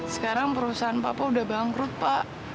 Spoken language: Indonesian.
sekarang perusahaan papua udah bangkrut pak